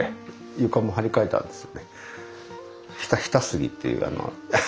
床も張り替えたんですよね。